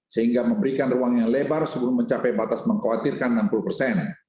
sehingga memberikan ruang yang lebar sebelum mencapai batas mengkhawatirkan enam puluh persen